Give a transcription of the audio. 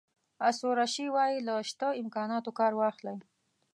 آرثور اشي وایي له شته امکاناتو کار واخلئ.